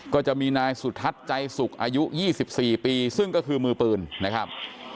ก็จะมีนายสุทัศน์ใจสุขอายุ๒๔ปีซึ่งก็คือมือปืนนะครับ